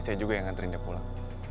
saya juga yang nganterin dia pulang